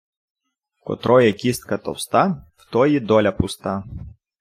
В котрої кіска товста, в тої доля пуста.